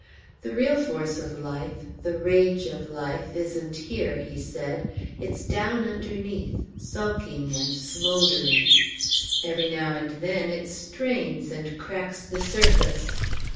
"The real force of life, the rage of life, isn't here," he said. "It's down underneath, sulking and smouldering. Every now and then it strains and cracks the surface.